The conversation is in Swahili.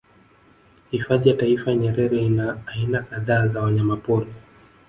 Hifadhi ya Taifa ya Nyerere ina aina kadhaa za wanyamapori